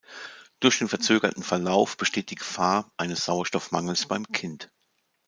Durch den verzögerten Verlauf besteht die Gefahr eines Sauerstoffmangels beim Kind.